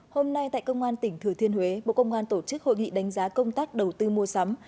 hôm nay tại công an tỉnh thừa thiên huế bộ công an tổ chức hội nghị đánh giá công tác đầu tư mua sắm